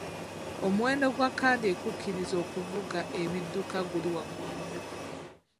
Omuwendo gwa kaadi ekukkirizisa okuvuga ebidduka guli waggulu nnyo.